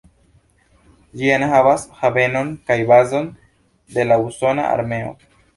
Ĝi enhavas havenon kaj bazon de la Usona armeo.